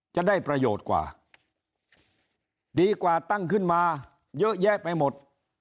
จะได้ประโยชน์กว่าดีกว่าตั้งขึ้นมาเยอะแยะไปหมด